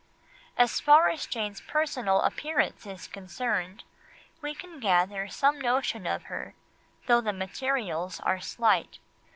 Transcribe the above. As far as Jane's personal appearance is concerned, we can gather some notion of her, though the materials are slight.